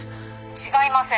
違いません。